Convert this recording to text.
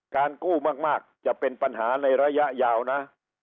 กู้มากจะเป็นปัญหาในระยะยาวนะ